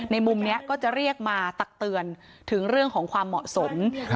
มุมนี้ก็จะเรียกมาตักเตือนถึงเรื่องของความเหมาะสม